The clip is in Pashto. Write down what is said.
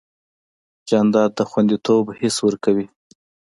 جانداد د خوندیتوب حس ورکوي.